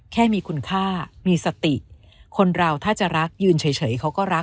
แค่มีคุณค่ามีสติคนเราถ้าจะรักยืนเฉยเขาก็รัก